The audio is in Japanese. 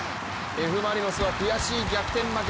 Ｆ・マリノスは悔しい逆転負け。